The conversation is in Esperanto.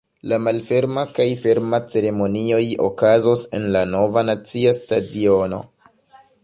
La malferma kaj ferma ceremonioj okazos en la Nova nacia stadiono.